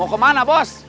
mau kemana bos